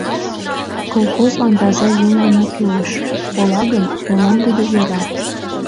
Колхозлан таза еҥ гына кӱлеш, кола гын — молан тудо йӧра.